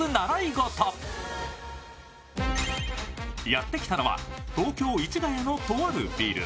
やってきたのは東京・市ヶ谷のとあるビル。